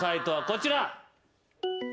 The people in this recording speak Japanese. こちら。